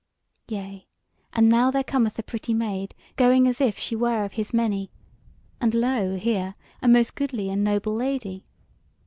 Yea and now there cometh a pretty maid going as if she were of his meney; and lo! here, a most goodly and noble lady!